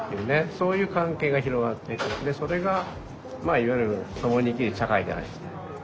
そういう関係が広がっていくでそれがいわゆる“ともに生きる社会”じゃないですか。